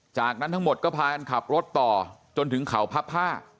จากนั้นทั้งหมดก็พากันขับรถต่อจนถึงเขาพระผ้า